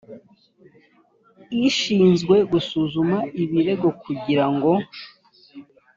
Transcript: ishinzwe gusuzuma ibirego kugira ngo